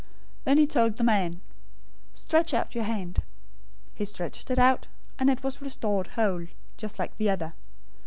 012:013 Then he told the man, "Stretch out your hand." He stretched it out; and it was restored whole, just like the other.